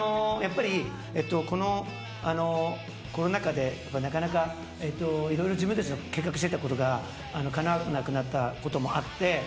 やっぱりこのコロナ禍でなかなか色々自分たちの計画してたことがかなわなくなったこともあって。